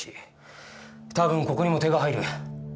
多分ここにも手が入る。